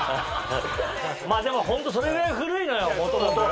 でもホントそれぐらい古いのよ元々。